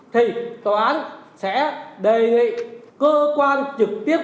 thì tòa án sẽ đề nghị cơ quan trực tiếp